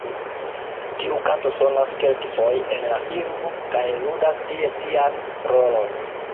Tiu kanto sonas kelkfoje en la filmo kaj ludas tie sian rolon.